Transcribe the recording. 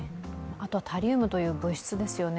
あとタリウムという物質ですよね。